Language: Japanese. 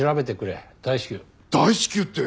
大至急って。